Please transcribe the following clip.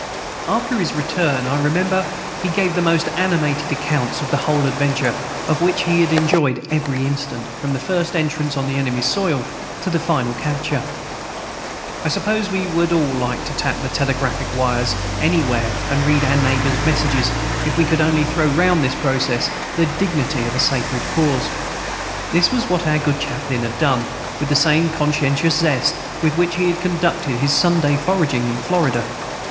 After his return, I remember, he gave the most animated accounts of the whole adventure, of which he had enjoyed every instant, from the first entrance on the enemy's soil to the final capture. I suppose we should all like to tap the telegraphic wires anywhere and read our neighbor's messages, if we could only throw round this process the dignity of a Sacred Cause. This was what our good chaplain had done, with the same conscientious zest with which he had conducted his Sunday foraging in Florida.